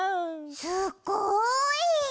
すっごい！